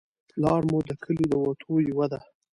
لار مو د کلي د وتو یوه ده